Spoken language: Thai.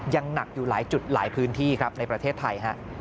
ยังหนักอยู่หลายจุดหลายพื้นที่ครับในประเทศไทย